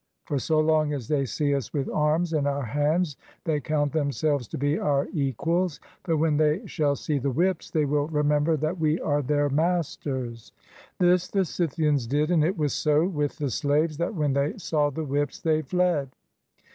For so long as they see us with arms in our hands they count themselves to be our equals, but when they shall see the whips they will remember that we are their masters." This the Scythians did, and it was so with the slaves, that when they saw the whips they fled.